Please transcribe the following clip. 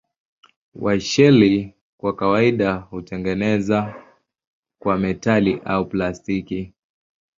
Washeli kwa kawaida hutengenezwa kwa metali au plastiki.